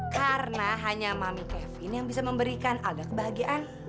karena hanya mami kevin yang bisa memberikan alda kebahagiaan